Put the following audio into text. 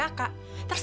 aku mau pergi